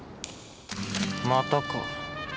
またか。